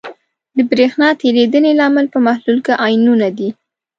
د برېښنا تیریدنې لامل په محلول کې آیونونه دي.